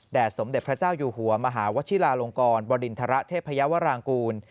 สมเด็จพระเจ้าอยู่หัวมหาวชิลาลงกรบริณฑระเทพยาวรางกูล